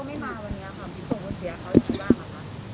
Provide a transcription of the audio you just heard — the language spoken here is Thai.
ผิดทรงบนเสียเขาอยู่บ้างหรือคะ